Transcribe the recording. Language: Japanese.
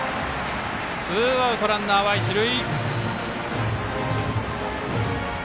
ツーアウト、ランナーは一塁。